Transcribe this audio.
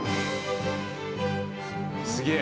すげえ。